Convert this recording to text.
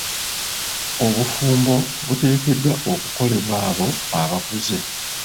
Obufumbo buteekeddwa kukolebwa abo abakuze.